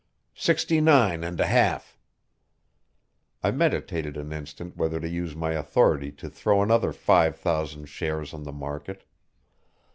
"Sixty nine and a half." I meditated an instant whether to use my authority to throw another five thousand shares on the market.